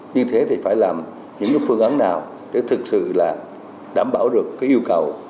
như thế thì phải làm những phương án nào để thực sự là đảm bảo được cái yêu cầu